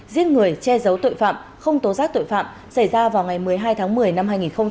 giết người che giấu tội phạm không tố giác tội phạm xảy ra vào ngày một mươi hai tháng một mươi năm hai nghìn hai mươi ba